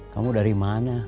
kamu dari mana